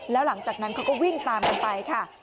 แล้วหลังจากนั้นเขาก็วิ่งตามกันไปค่ะ